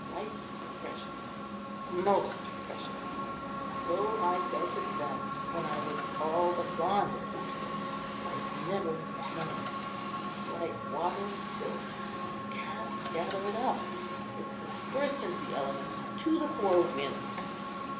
Ah! life's precious, most precious; so I felt it then, when I was all but gone to Pluto. Life never returns, it's like water spilt; you can't gather it up. It is dispersed into the elements, to the four winds.